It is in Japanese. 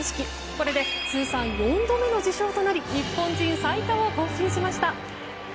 これで通算４度目の受賞となり日本人最多を更新しました。